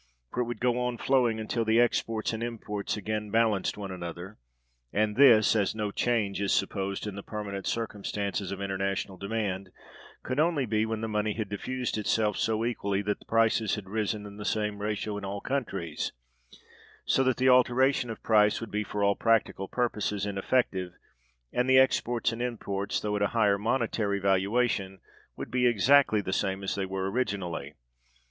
For it would go on flowing until the exports and imports again balanced one another; and this (as no change is supposed in the permanent circumstances of international demand) could only be when the money had diffused itself so equally that prices had risen in the same ratio in all countries, so that the alteration of price would be for all practical purposes ineffective, and the exports and imports, though at a higher money valuation, would be exactly the same as they were originally.